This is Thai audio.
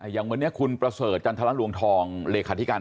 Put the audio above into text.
อย่างวันนี้คุณประเสริฐจันทรลวงทองเลขาธิการ